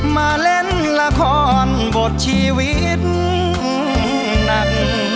มาเล่นละครบทชีวิตหนัก